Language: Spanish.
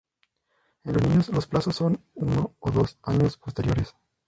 En los niños los plazos son uno o dos años posteriores.